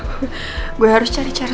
aku harus mencari cara